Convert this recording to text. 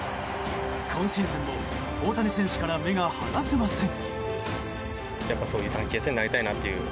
今シーズンも大谷選手から目が離せません。